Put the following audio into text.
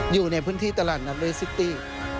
อยู่ในพื้นที่ตลาดนัดเรสซิตี้